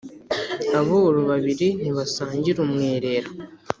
Aboro babiri ntibasangira umwerera.